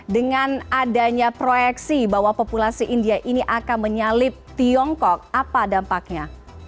dengan adanya proyeksi bahwa populasi india ini akan menyalip tiongkok apa dampaknya